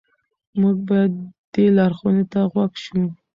موږ باید دې لارښوونې ته غوږ شو.